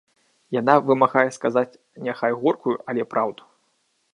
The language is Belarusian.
Яна вымагае сказаць няхай горкую, але праўду.